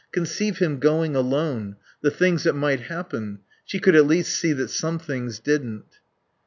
Conceive him going alone the things that might happen; she could at least see that some things didn't.